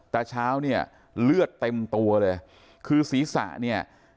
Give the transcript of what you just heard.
ตาเช้าเนี่ยเลือดเต็มตัวเลยคือศีรษะเนี่ย